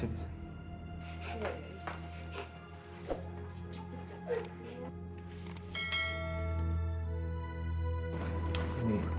ini berbisu adiknya ya